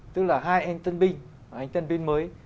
tức là hai anh tân binh anh tân binh mới